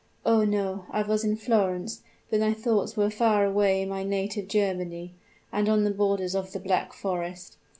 Oh! no I was in Florence, but my thoughts were far away in my native Germany, and on the borders of the Black Forest.